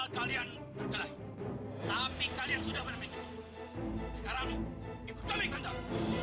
tolong suami kamu jangan suka ikut urusan kantor